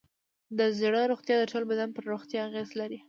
د زړه روغتیا د ټول بدن پر روغتیا اغېز لري.